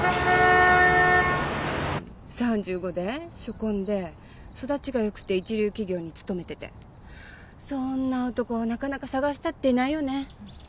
３５で初婚で育ちがよくて一流企業に勤めててそんな男なかなか探したっていないよね。